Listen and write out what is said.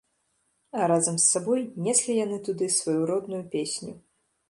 А разам з сабой неслі яны туды сваю родную песню.